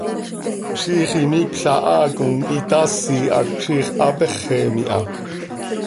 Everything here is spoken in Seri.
Ziix imiipla haa com itaasi hac ziix hapeexem iha.